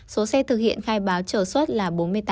số xe thực hiện khai báo chờ xuất là bốn mươi tám